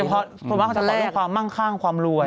เพราะว่าเขาจะต่อด้วยความมั่งข้างความรวย